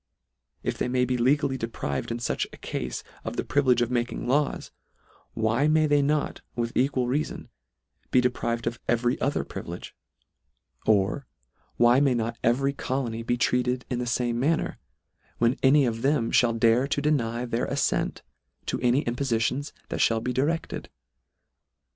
If they may be legally deprived in fuch a cafe of the privilege of making laws, why may they not, with equal reafon, be deprived of every other privilege ? Or why may not every colony be treated in the fame manner, when any of them (hall dare to deny their afTent to any impofitions that fhall be di recled